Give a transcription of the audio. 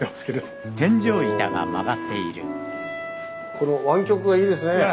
この湾曲がいいですね。